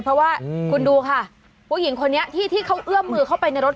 เพราะว่าคุณดูค่ะผู้หญิงคนนี้ที่เขาเอื้อมมือเข้าไปในรถ